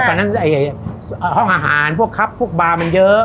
ตอนนั้นห้องอาหารพวกครับพวกบาร์มันเยอะ